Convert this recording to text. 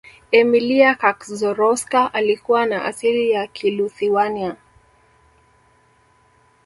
emilia kaczorowska alikuwa na asili ya kiluthiwania